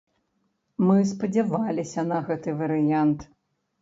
Мы спадзяваліся на гэты варыянт.